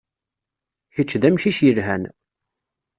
Kečč d amcic yelhan.